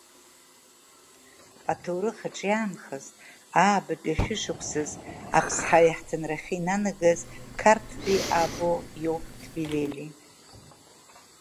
Аҭоурых аҿы иаанхаз, аабатәи ашәышықәсазы Аԥсҳа иаҳҭынрахьы инанагаз Қарҭтәи Або иоуп Ҭбилели.